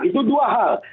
itu dua hal